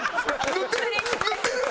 塗ってる！